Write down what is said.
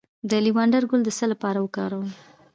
د لیوانډر ګل د څه لپاره وکاروم؟